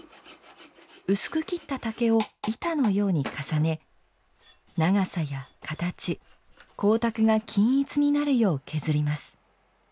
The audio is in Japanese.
薄く切った竹を板のように重ね長さや形、光沢が均一になるよう削ります。